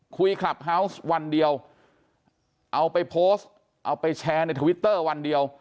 คลับเฮาวส์วันเดียวเอาไปโพสต์เอาไปแชร์ในทวิตเตอร์วันเดียว